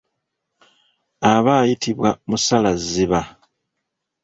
Aba ayitibwa musalazziba.